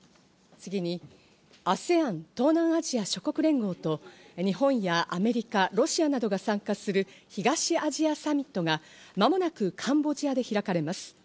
ＡＳＥＡＮ＝東南アジア諸国連合と日本やアメリカ、ロシアなどが参加する東アジアサミットが間もなくカンボジアで開かれます。